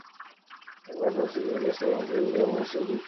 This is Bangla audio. এর পাশাপাশি তিনি বেশ কয়েকটি বিজ্ঞান জার্নালের সঙ্গেও যুক্ত আছেন।